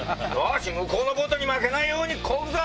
向こうのボートに負けないようにこぐぞ！